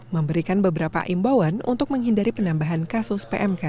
memberikan beberapa imbauan untuk menghindari penambahan kasus pmk